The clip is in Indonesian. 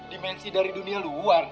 dimensi dari dunia luar